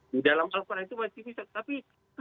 di dalam al quran itu masih bisa tapi